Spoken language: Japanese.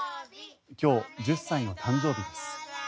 今日、１０歳の誕生日です。